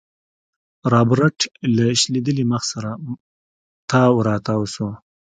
رابرټ له شکېدلي مخ سره تاو راتاو شو.